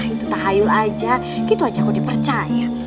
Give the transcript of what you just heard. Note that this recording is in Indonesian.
itu tak hayul aja gitu aja kok dipercaya